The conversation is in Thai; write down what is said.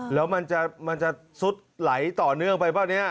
แล้วมันจะซุดไหลต่อเนื่องไปป่ะเนี่ย